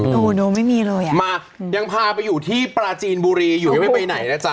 ดูไม่มีเลยอ่ะมายังพาไปอยู่ที่ปลาจีนบุรีอยู่ยังไม่ไปไหนนะจ๊